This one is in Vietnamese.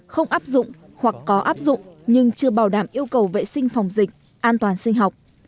không áp dụng hoặc có áp dụng nhưng chưa bảo đảm yêu cầu vệ sinh phòng dịch an toàn sinh học